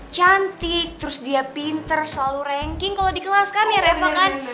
cantik terus dia pinter selalu ranking kalo di kelas kan ya reva kan